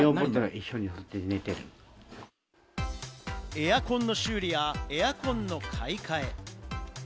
エアコンの修理やエアコンの買い替え。